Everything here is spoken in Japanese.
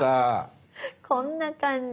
「こんな感じ！」。